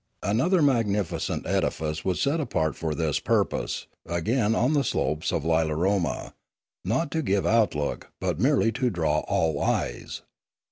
Another magnificent edifice was set apart for this purpose, again on the slopes of Lilaroma, not to give outlook, but merely to draw all eyes.